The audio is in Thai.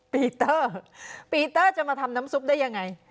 ปีเตอร์ปีเตอร์จะมาทำน้ำซุปได้ยังไง